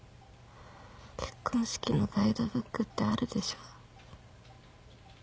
結婚式のガイドブックってあるでしょ？